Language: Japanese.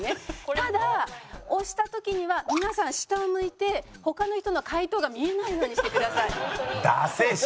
ただ押した時には皆さん下を向いて他の人の解答が見えないようにしてください。